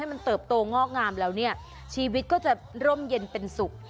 มันเติบโตงอกงามแล้วเนี่ยชีวิตก็จะร่มเย็นเป็นสุข